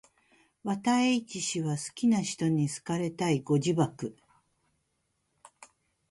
綿 h 氏は好きな使途に好かれたい。ご自爆